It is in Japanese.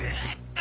あ。